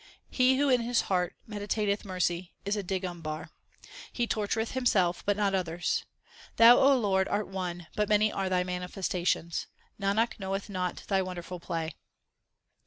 1 He who in his heart meditateth mercy, is a Digambar : 2 He tortureth himself, but not others. Thou, O Lord, art one, but many are Thy manifestations. Nanak knoweth not Thy wonderful play.